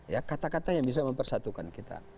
ya kata kata yang bisa mempersatukan kita